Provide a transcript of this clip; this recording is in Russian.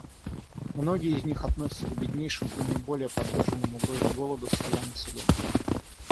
Многие из них относятся к беднейшим и наиболее подверженным угрозе голода слоям населения.